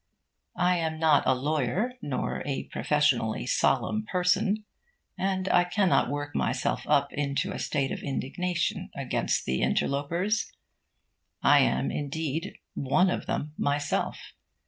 I am not a lawyer, nor a professionally solemn person, and I cannot work myself up into a state of indignation against the interlopers. I am, indeed, one of them myself.